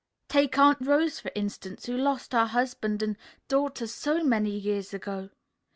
Take Aunt Rose, for instance, who lost her husband and daughter so many years ago.